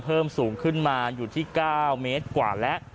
เพิ่มสูงขึ้นมาอยู่ที่๙เมตรกว่าแล้ว